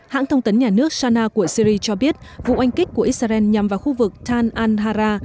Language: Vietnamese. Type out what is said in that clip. hãng thông tấn nhà nước shana của syri cho biết vụ anh kích của israel nhằm vào khu vực tan al hara